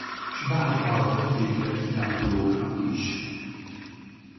Sváb-Alb vidékre kirándulóknak is.